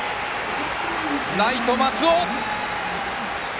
ライト、松尾！